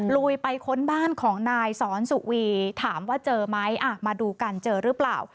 ลุยไปค้นบ้านของนายสอนสุวีถามว่าเจอไหมมาดูกันเจอหรือเปล่า